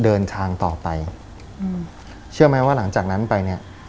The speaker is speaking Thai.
เดินทางต่อไปอืมเชื่อไหมว่าหลังจากนั้นไปเนี่ย